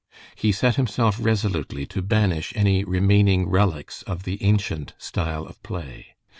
He set himself resolutely to banish any remaining relics of the ancient style of play.